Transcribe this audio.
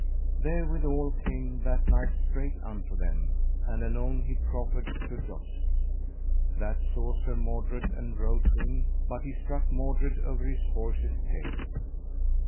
Therewithal came that knight straight unto them, and anon he proffered to joust. That saw Sir Mordred and rode to him, but he struck Mordred over his horse's tail.